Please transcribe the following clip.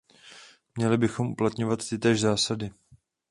Měli bychom uplatňovat tytéž zásady.